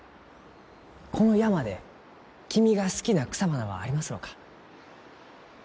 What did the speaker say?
この山で君が好きな草花はありますろうか？